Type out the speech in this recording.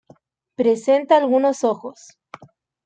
Presenta algunos ojos.